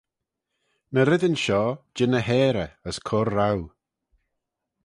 Ny reddyn shoh jean y harey as cur roue.